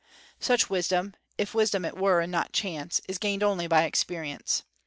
Such wisdom, if wisdom it were and not chance, is gained only by experience.